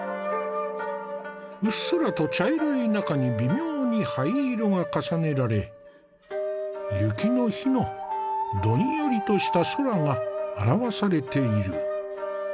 うっすらと茶色い中に微妙に灰色が重ねられ雪の日のどんよりとした空が表されている。